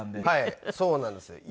はいそうなんです。